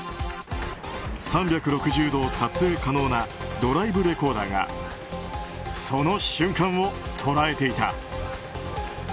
３６０度撮影可能なドライブレコーダーがその瞬間を捉えていた。